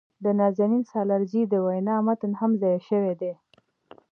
د نازنین سالارزي د وينا متن هم ځای شوي دي.